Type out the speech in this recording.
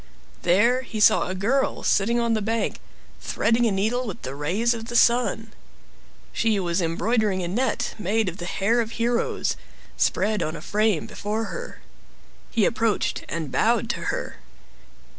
There he saw a girl sitting on the bank, threading a needle with the rays of the sun. She was embroidering a net made of the hair of heroes, spread on a frame before her. He approached and bowed to her.